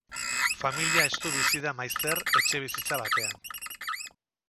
Familia estu bizi da maizter, etxebizitza batean.